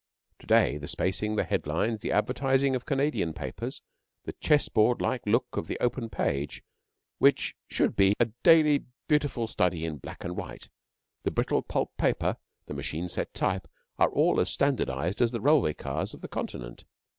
To day, the spacing, the headlines, the advertising of Canadian papers, the chessboard like look of the open page which should be a daily beautiful study in black and white, the brittle pulp paper, the machine set type, are all as standardised as the railway cars of the Continent.